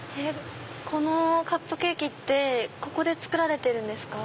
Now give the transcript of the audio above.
このカップケーキってここで作られてるんですか？